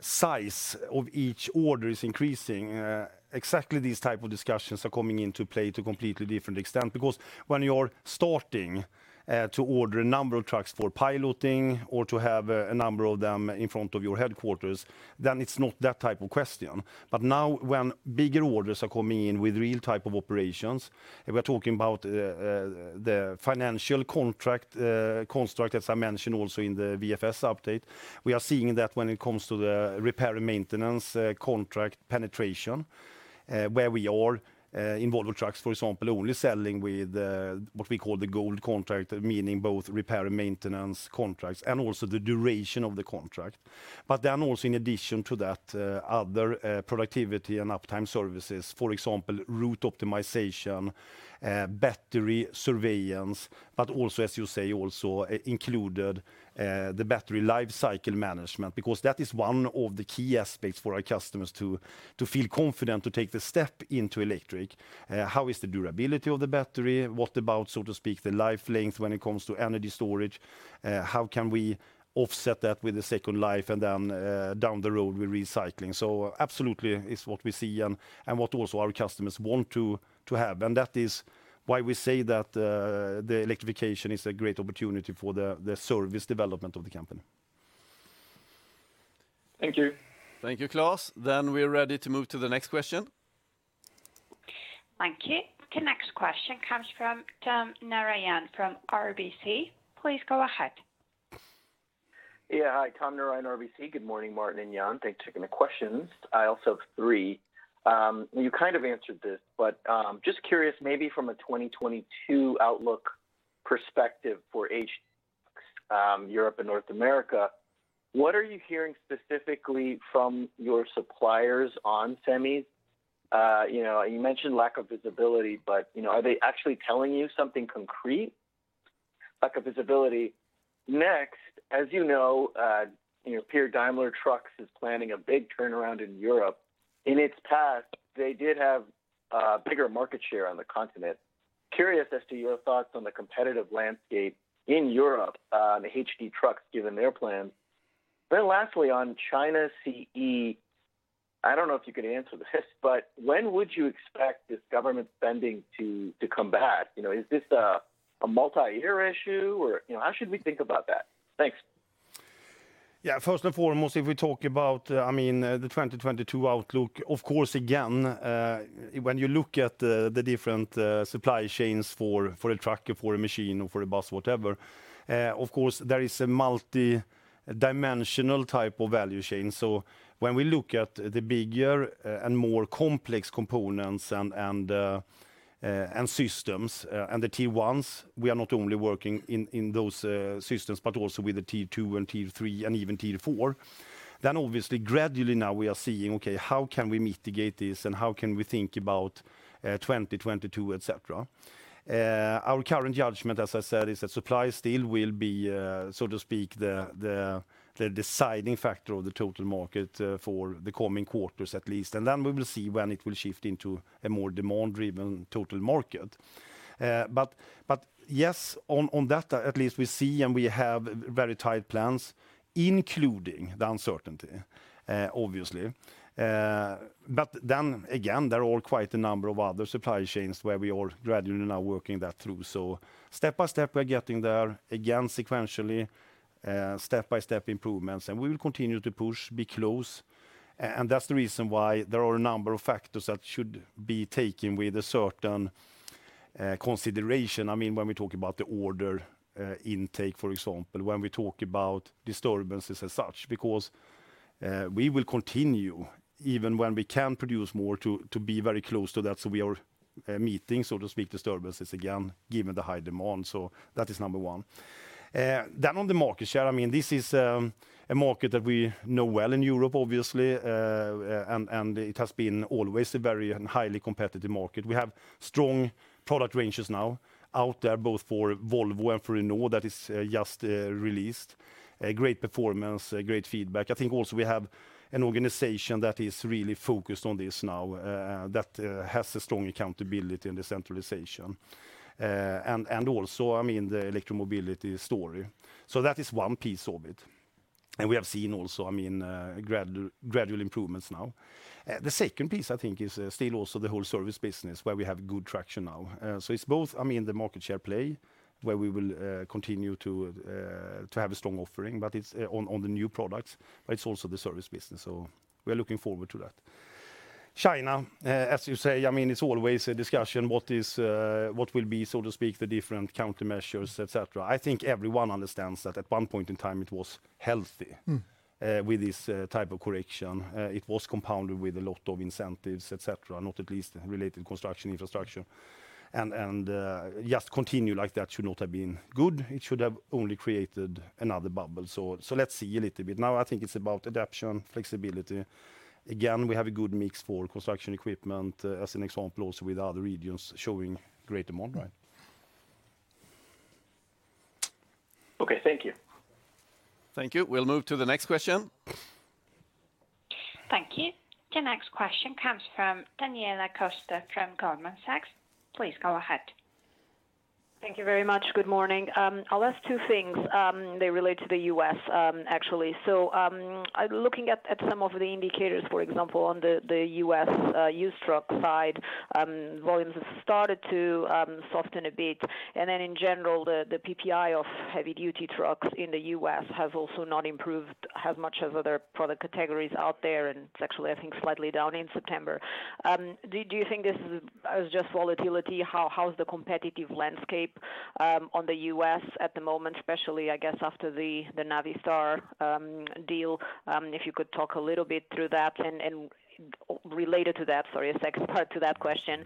size of each order is increasing, exactly these type of discussions are coming into play to completely different extent because when you are starting to order a number of trucks for piloting or to have a number of them in front of your headquarters, then it's not that type of question. Now when bigger orders are coming in with real type of operations, we're talking about the financial construct, as I mentioned also in the VFS update. We are seeing that when it comes to the repair and maintenance contract penetration, where we are in Volvo Trucks, for example, only selling with what we call the Gold contract, meaning both repair and maintenance contracts and also the duration of the contract. Also in addition to that, other productivity and uptime services, for example, route optimization, battery surveillance, also as you say, also included the battery lifecycle management, because that is one of the key aspects for our customers to feel confident to take the step into electric. How is the durability of the battery? What about, so to speak, the life length when it comes to energy storage? How can we offset that with the second life and then down the road with recycling? Absolutely is what we see and what also our customers want to have. That is why we say that the electrification is a great opportunity for the service development of the company. Thank you. Thank you, Claes. We're ready to move to the next question. Thank you. The next question comes from Tom Narayan from RBC. Please go ahead. Hi, Tom Narayan, RBC. Good morning, Martin and Jan. Thanks for taking the questions. I also have three. You kind of answered this, but just curious, maybe from a 2022 outlook perspective for HD trucks, Europe and North America, what are you hearing specifically from your suppliers on semis? You mentioned lack of visibility, but are they actually telling you something concrete, lack of visibility? As you know, Daimler Truck is planning a big turnaround in Europe. In its past, they did have a bigger market share on the continent. Curious as to your thoughts on the competitive landscape in Europe on the HD trucks, given their plans. Lastly, on China CE, I don't know if you can answer this, but when would you expect this government spending to come back? Is this a multi-year issue or how should we think about that? Thanks. First and foremost, if we talk about the 2022 outlook, of course, again, when you look at the different supply chains for the truck, for the machine, or for the bus, whatever, of course, there is a multi-dimensional type of value chain. When we look at the bigger and more complex components and systems and the tier 1s, we are not only working in those systems, but also with the tier 2 and tier 3 and even tier 4. Obviously gradually now we are seeing, okay, how can we mitigate this and how can we think about 2022, et cetera. Our current judgment, as I said, is that supply still will be, so to speak, the deciding factor of the total market for the coming quarters at least. Then we will see when it will shift into a more demand-driven total market. Yes, on that at least we see, and we have very tight plans, including the uncertainty, obviously. Then again, there are quite a number of other supply chains where we are gradually now working that through. Step by step, we're getting there again sequentially, step-by-step improvements, and we will continue to push, be close, and that's the reason why there are a number of factors that should be taken with a certain consideration. When we talk about the order intake, for example, when we talk about disturbances as such, because we will continue even when we can produce more to be very close to that. We are meeting, so to speak, disturbances again, given the high demand. That is number 1. On the market share, this is a market that we know well in Europe, obviously, and it has been always a very highly competitive market. We have strong product ranges now out there, both for Volvo and for Renault, that is just released. Great performance, great feedback. I think also we have an organization that is really focused on this now, that has a strong accountability and decentralization. Also, the electromobility story. That is one piece of it. We have seen also gradual improvements now. The second piece, I think, is still also the whole service business where we have good traction now. It's both the market share play where we will continue to have a strong offering, but it's on the new products, but it's also the service business. We are looking forward to that. China, as you say, it's always a discussion, what will be, so to speak, the different countermeasures, et cetera. I think everyone understands that at one point in time it was healthy with this type of correction. It was compounded with a lot of incentives, et cetera, not at least related construction infrastructure, and just continue like that should not have been good. It should have only created another bubble. Let's see a little bit. I think it's about adaption, flexibility. We have a good mix for Volvo Construction Equipment, as an example, also with other regions showing great demand. Okay, thank you. Thank you. We'll move to the next question. Thank you. The next question comes from Daniela Costa from Goldman Sachs. Please go ahead. Thank you very much. Good morning. I'll ask two things. They relate to the U.S., actually. Looking at some of the indicators, for example, on the U.S. used truck side, volumes have started to soften a bit, then in general, the PPI of heavy-duty trucks in the U.S. has also not improved as much as other product categories out there, and it's actually, I think, slightly down in September. Do you think this is just volatility? How's the competitive landscape on the U.S. at the moment, especially, I guess, after the Navistar deal? If you could talk a little bit through that, related to that, sorry, a second part to that question.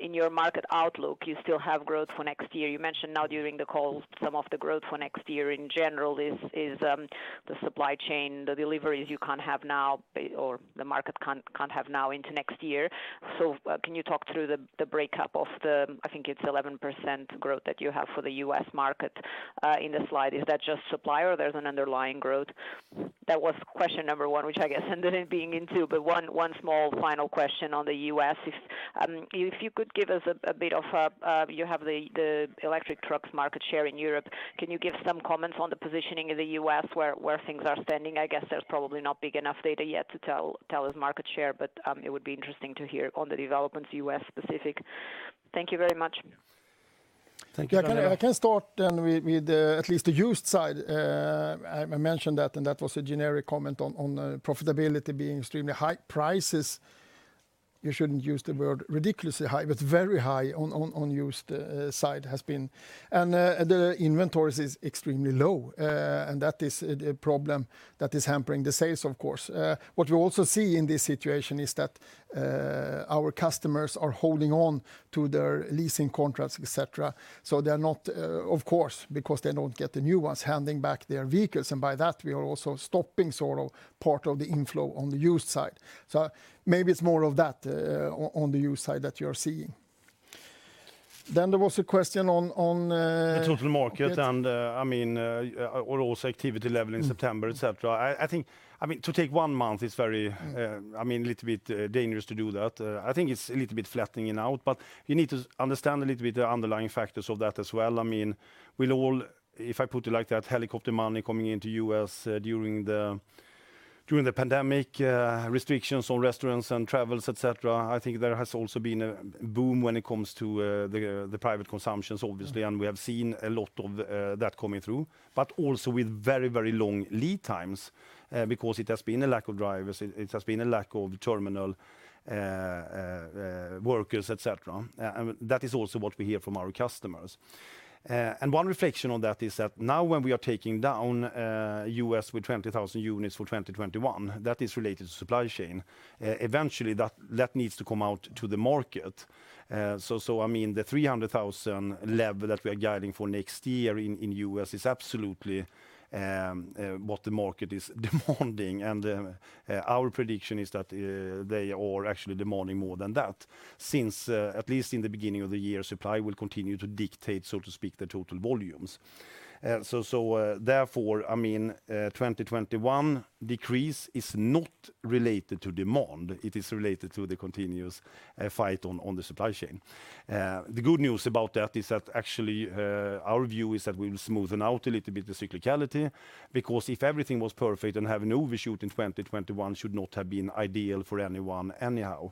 In your market outlook, you still have growth for next year. You mentioned now during the call, some of the growth for next year in general is the supply chain, the deliveries you can't have now, or the market can't have now into next year. Can you talk through the breakup of the, I think it's 11% growth that you have for the U.S. market in the slide? Is that just supply or there's an underlying growth? That was question 1, which I guess ended up being 2, but one small final question on the U.S. If you could give us a bit of a You have the electric trucks market share in Europe. Can you give some comments on the positioning in the U.S. where things are standing? I guess there's probably not big enough data yet to tell us market share, but it would be interesting to hear on the developments U.S.-specific. Thank you very much. Thank you. I can start with at least the used side. I mentioned that, and that was a generic comment on profitability being extremely high. Prices, you shouldn't use the word ridiculously high, but very high on used side has been. The inventories is extremely low, and that is a problem that is hampering the sales, of course. What we also see in this situation is that our customers are holding on to their leasing contracts, et cetera. They're not, of course, because they don't get the new ones, handing back their vehicles, and by that, we are also stopping sort of part of the inflow on the used side. Maybe it's more of that, on the used side that you're seeing. There was a question on- The total market, also activity level in September, et cetera. To take one month, it's a little bit dangerous to do that. I think it's a little bit flattening out, but you need to understand a little bit the underlying factors of that as well. If I put it like that, helicopter money coming into U.S. during the pandemic, restrictions on restaurants and travels, et cetera, I think there has also been a boom when it comes to the private consumptions, obviously, and we have seen a lot of that coming through. Also with very, very long lead times, because it has been a lack of drivers, it has been a lack of terminal workers, et cetera. That is also what we hear from our customers. One reflection on that is that now when we are taking down U.S. with 20,000 units for 2021, that is related to supply chain. Eventually, that needs to come out to the market. The 300,000 level that we are guiding for next year in U.S. is absolutely what the market is demanding. Our prediction is that they are actually demanding more than that, since at least in the beginning of the year, supply will continue to dictate, so to speak, the total volumes. 2021 decrease is not related to demand. It is related to the continuous fight on the supply chain. The good news about that is that actually, our view is that we will smoothen out a little bit the cyclicality, because if everything was perfect and have an overshoot in 2021 should not have been ideal for anyone anyhow.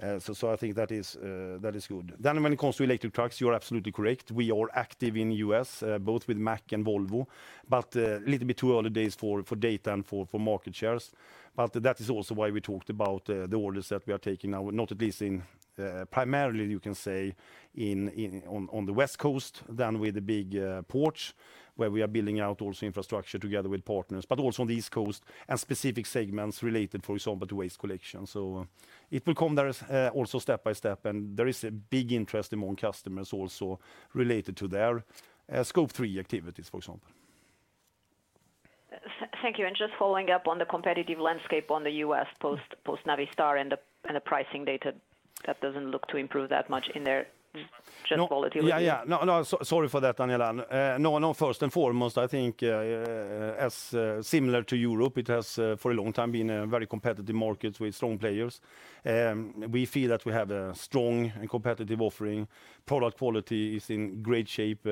I think that is good. When it comes to electric trucks, you are absolutely correct. We are active in U.S., both with Mack and Volvo, but a little bit too early days for data and for market shares. That is also why we talked about the orders that we are taking now, not at least in primarily, you can say, on the West Coast than with the big ports, where we are building out also infrastructure together with partners, but also on the East Coast and specific segments related, for example, to waste collection. It will come there also step by step, and there is a big interest among customers also related to their Scope 3 activities, for example. Thank you, just following up on the competitive landscape on the U.S. post Navistar and the pricing data that doesn't look to improve that much in there. Just volatility. Sorry for that, Daniela. First and foremost, I think as similar to Europe, it has for a long time been a very competitive market with strong players. We feel that we have a strong and competitive offering. Product quality is in great shape,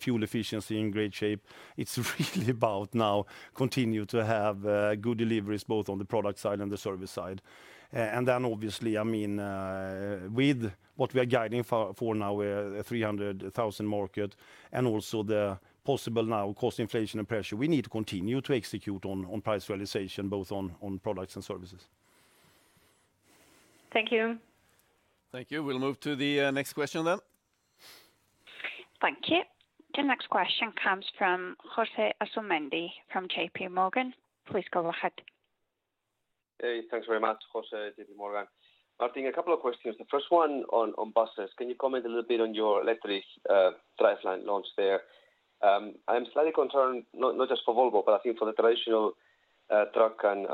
fuel efficiency in great shape. It's really about now continue to have good deliveries, both on the product side and the service side. Obviously, with what we are guiding for now, a 300,000 market, and also the possible now cost inflation and pressure, we need to continue to execute on price realization, both on products and services. Thank you. Thank you. We'll move to the next question then. Thank you. The next question comes from Jose Asumendi from JP Morgan. Please go ahead. Hey, thanks very much. Jose, JP Morgan. Martin, a couple of questions. The first one on buses. Can you comment a little bit on your electric driveline launch there? I'm slightly concerned, not just for Volvo, but I think for the traditional truck and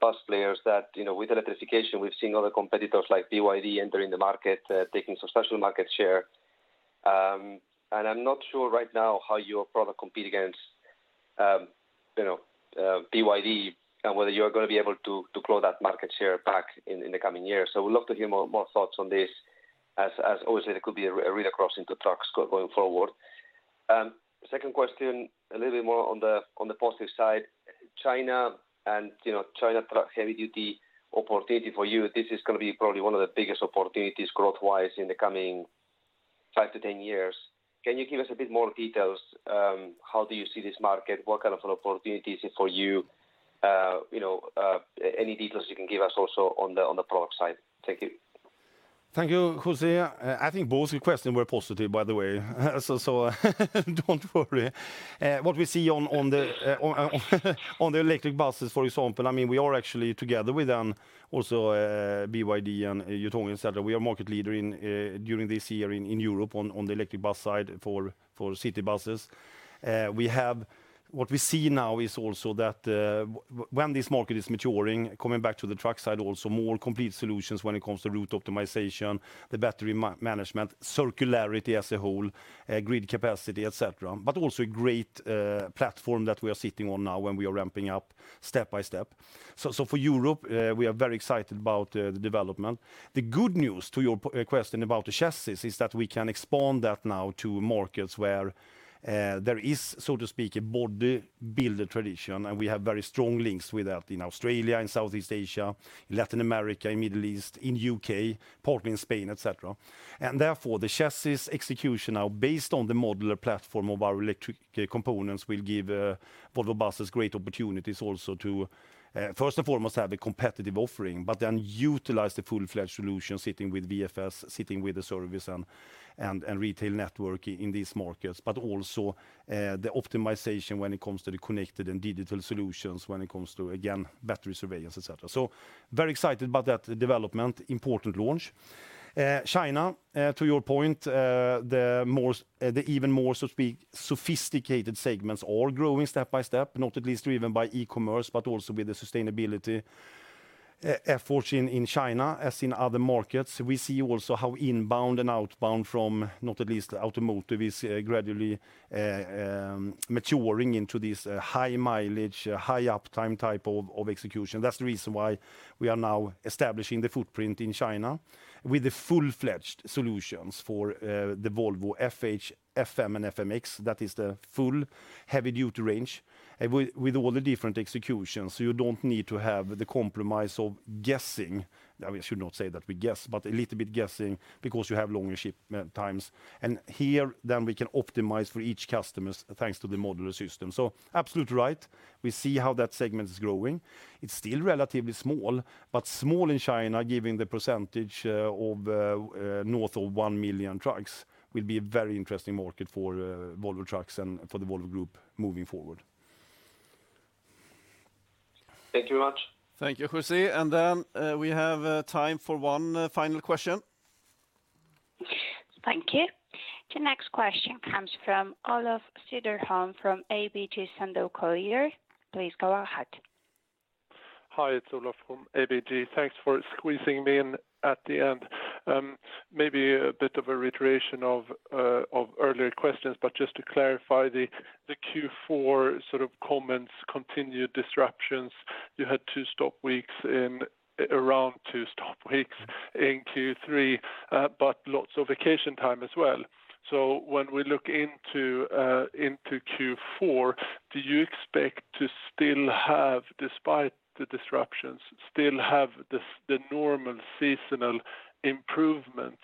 bus players that with electrification, we've seen other competitors like BYD entering the market, taking substantial market share. I'm not sure right now how your product competes against BYD and whether you are going to be able to claw that market share back in the coming years. We'd love to hear more thoughts on this as, obviously, there could be a read-across into trucks going forward. Second question, a little bit more on the positive side, China truck heavy duty opportunity for you, this is going to be probably one of the biggest opportunities growth-wise in the coming five to 10 years. Can you give us a bit more details? How do you see this market? What kind of opportunities for you? Any details you can give us also on the product side. Thank you. Thank you, Jose. I think both requests were positive, by the way, don't worry. What we see on the electric buses, for example, we are actually together with them, also BYD and Yutong, et cetera. We are market leader during this year in Europe on the electric bus side for city buses. What we see now is also that when this market is maturing, coming back to the truck side also, more complete solutions when it comes to route optimization, the battery management, circularity as a whole, grid capacity, et cetera, also a great platform that we are sitting on now when we are ramping up step by step. For Europe, we are very excited about the development. The good news to your question about the chassis is that we can expand that now to markets where there is, so to speak, a body builder tradition, and we have very strong links with that in Australia and Southeast Asia, Latin America and Middle East, in U.K., partly in Spain, et cetera. Therefore, the chassis execution now, based on the modular platform of our electric components, will give Volvo Buses great opportunities also to, first and foremost, have a competitive offering, then utilize the full-fledged solution sitting with VFS, sitting with the service and retail network in these markets, also the optimization when it comes to the connected and digital solutions, when it comes to, again, battery surveillance, et cetera. Very excited about that development. Important launch. China, to your point, the even more, so to speak, sophisticated segments are growing step by step, not at least driven by e-commerce, also with the sustainability efforts in China as in other markets. We see also how inbound and outbound from not at least automotive is gradually maturing into this high mileage, high uptime type of execution. That's the reason why we are now establishing the footprint in China with the full-fledged solutions for the Volvo FH, Volvo FM, and Volvo FMX. That is the full heavy-duty range with all the different executions, so you don't need to have the compromise of guessing. I should not say that we guess, a little bit guessing because you have longer shipment times. Here, then we can optimize for each customer thanks to the modular system. Absolutely right, we see how that segment is growing. It's still relatively small, but small in China, given the percentage of north of 1 million trucks, will be a very interesting market for Volvo Trucks and for the Volvo Group moving forward. Thank you very much. Thank you, Jose. We have time for one final question. Thank you. The next question comes from Olof Cederholm from ABG Sundal Collier. Please go ahead. Hi, it's Olof from ABG. Thanks for squeezing me in at the end. Maybe a bit of a reiteration of earlier questions, but just to clarify the Q4 comments, continued disruptions. You had around two stop weeks in Q3, but lots of vacation time as well. When we look into Q4, do you expect to, despite the disruptions, still have the normal seasonal improvement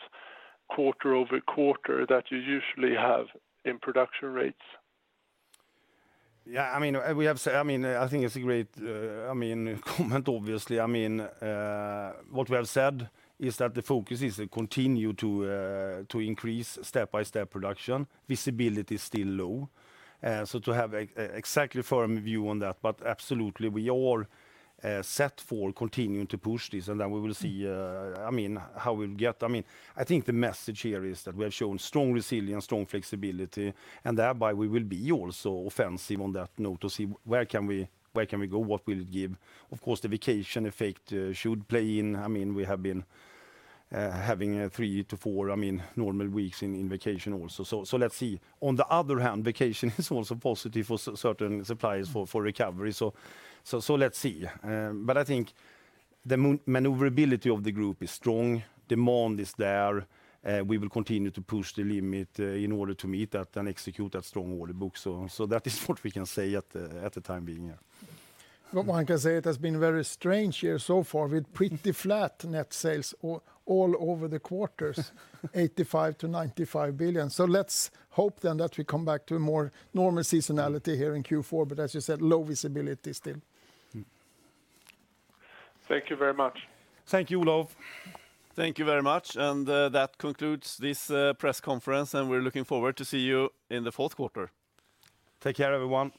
quarter-over-quarter that you usually have in production rates? I think it's a great comment, obviously. What we have said is that the focus is to continue to increase step-by-step production. Visibility is still low to have exactly firm view on that, but absolutely we are set for continuing to push this. Then we will see how we'll get. I think the message here is that we have shown strong resilience, strong flexibility, thereby we will be also offensive on that note to see where can we go, what will it give. Of course, the vacation effect should play in. We have been having three to four normal weeks in vacation also. Let's see. On the other hand, vacation is also positive for certain suppliers for recovery, let's see. I think the maneuverability of the group is strong. Demand is there. We will continue to push the limit in order to meet that and execute that strong order book. That is what we can say at the time being. One can say it has been a very strange year so far with pretty flat net sales all over the quarters, 85 billion-95 billion. Let's hope then that we come back to a more normal seasonality here in Q4, as you said, low visibility still. Thank you very much. Thank you, Olof. Thank you very much. That concludes this press conference. We're looking forward to see you in the fourth quarter. Take care, everyone.